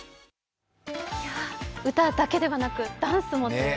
歌だけではなくダンスも。